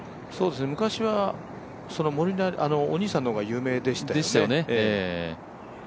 昔はお兄さんの方が有名でしたよね。